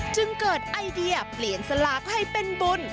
จึงเกิดไอเดียเปลี่ยนสลากให้เป็นบุญ